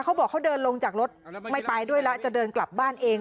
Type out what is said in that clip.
เขาบอกเขาเดินลงจากรถไม่ไปด้วยแล้วจะเดินกลับบ้านเอง